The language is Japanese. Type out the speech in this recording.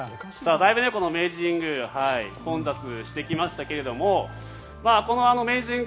だいぶこの明治神宮混雑してきましたけれどもこの明治神宮